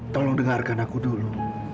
tolong dengarkan aku dulu